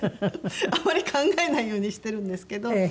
あまり考えないようにしてるんですけど。